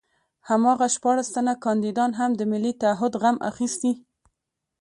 هماغه شپاړس تنه کاندیدان هم د ملي تعهُد غم اخیستي.